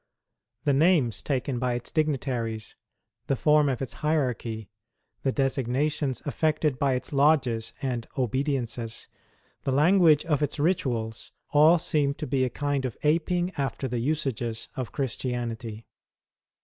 The names taken by its digni taries, the form of its hierarchy, the designations affected by its lodges and "obediences," the language of its rituals, all seem to be a kind of aping after the usages of Christianity.